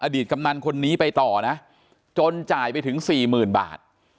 ตกำนันคนนี้ไปต่อนะจนจ่ายไปถึงสี่หมื่นบาท